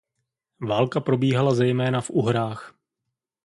Válka probíhala zejména v Uhrách.